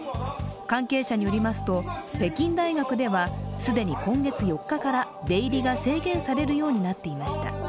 関係者によりますと、北京大学では既に今月４日から出入りが制限されるようになっていました。